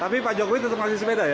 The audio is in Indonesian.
tapi pak jokowi tetap masih sepeda ya